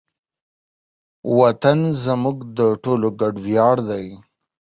وطن زموږ د ټولو ګډ ویاړ دی.